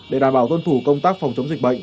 để đảm bảo tuân thủ công tác phòng chống dịch bệnh